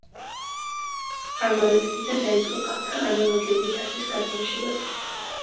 ამავე წლიდან დაიწყო ქალთა ანალოგიური თასის გათამაშებაც.